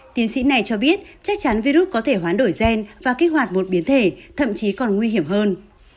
tiến sĩ này cho biết chắc chắn virus có thể hoán đổi gen và kích hoạt một biến thể thậm chí còn nguy hiểm hơn